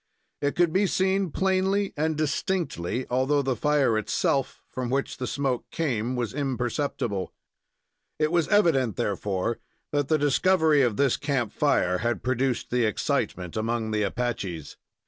It could be seen plainly and distinctly, although the fire itself from which the smoke came was imperceptible. It was evident, therefore, that the discovery of this camp fire had produced the excitement among the Apaches.